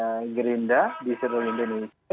pak gerinda di seluruh indonesia